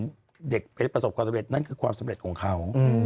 เด็กไปประสบความสำเร็จนั่นคือความสำเร็จของเขา